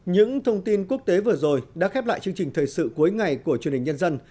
những thông tin quốc tế vừa rồi đã khép lại chương trình thời sự cuối ngày của truyền hình nhân dân